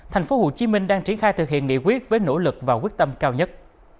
thành phố hồ chí minh đang triển khai thực hiện nghị quyết với nỗ lực và quyết tâm cao nhất